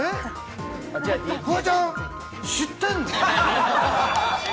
フワちゃん、知ってるの？